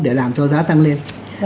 để làm cho giá tăng lên